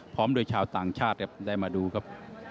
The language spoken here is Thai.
พร้อมโดยชาวต่างชาติครับได้มาดูครับ